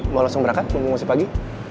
mau langsung berangkat minggu minggu si pagi